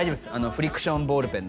フリクションボールペン